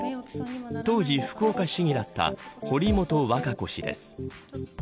当時、福岡市議だった堀本和歌子氏です。